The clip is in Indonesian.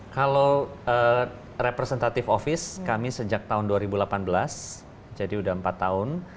kalau representative office kami sejak tahun dua ribu delapan belas jadi sudah empat tahun